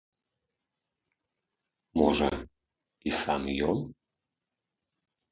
Можа, і сам ён?